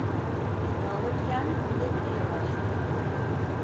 Dağılırken bile bile yavaş yürüdüm.